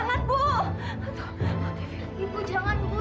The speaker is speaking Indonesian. sampai jumpa di video selanjutnya